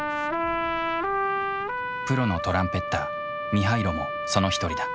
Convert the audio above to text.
プロのトランペッターミハイロもその一人だ。